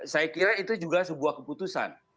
saya kira itu juga sebuah keputusan